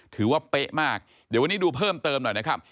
เป๊ะมากเดี๋ยววันนี้ดูเพิ่มเติมหน่อยนะครับ